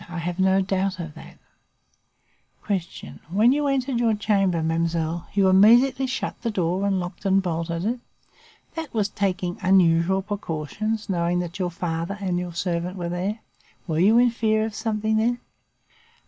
I have no doubt of that. "Q. When you entered your chamber, mademoiselle, you immediately shut the door and locked and bolted it? That was taking unusual precautions, knowing that your father and your servant were there? Were you in fear of something, then?